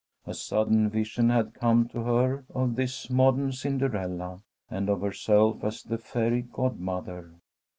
A sudden vision had come to her of this modern Cinderella, and of herself as the fairy godmother.